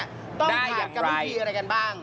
ต้องการกำลังคีย์อะไรกันบ้าง